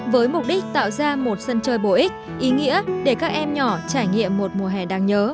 với mục đích tạo ra một sân chơi bổ ích ý nghĩa để các em nhỏ trải nghiệm một mùa hè đáng nhớ